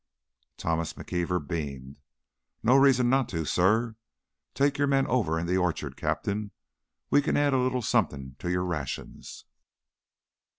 Thomas McKeever beamed. "No reason not, suh. Take your men over in the orchard, Captain. We can add a little something to your rations.